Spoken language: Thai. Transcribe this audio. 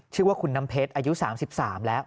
ชื่อว่าคุณน้ำเพชรอายุ๓๓แล้ว